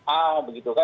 ah begitu kan